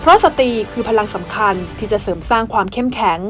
เพราะสตรีคือพลังสำคัญที่จะเสริมสร้างความเข้มแข็ง